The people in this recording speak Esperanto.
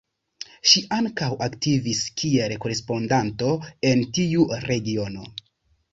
Ŝi ankaŭ aktivis kiel korespondanto en tiu regiono.